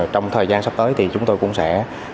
trong thời gian sắp tới thì chúng tôi cũng sẽ